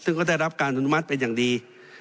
ซึ่งก็ได้รับการอนุมัติเป็นอย่างดี